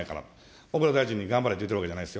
小倉大臣に頑張れと言ってるわけじゃないですよ。